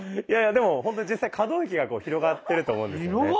いやいやでもほんと実際可動域が広がってると思うんですよね。